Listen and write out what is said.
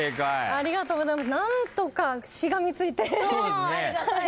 ありがとうございます！